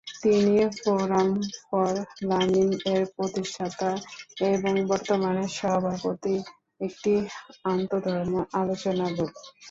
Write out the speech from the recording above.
তিনি forum for learning -এর প্রতিষ্ঠাতা এবং বর্তমানে সভাপতি, একটি আন্ত-ধর্ম আলোচনা গ্রুপ।